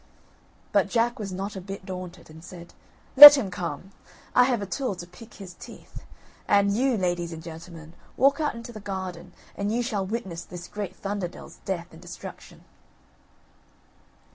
But Jack was not a bit daunted, and said: "Let him come! I have a tool to pick his teeth; and you, ladies and gentlemen, walk out into the garden, and you shall witness this giant Thunderdell's death and destruction."